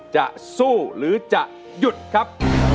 จะสู้หรือจะหยุดครับ